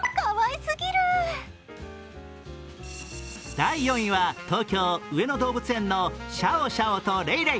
第４位は東京上野動物園のシャオシャオとレイレイ。